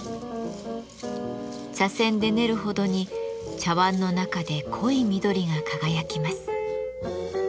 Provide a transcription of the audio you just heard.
茶せんで練るほどに茶わんの中で濃い緑が輝きます。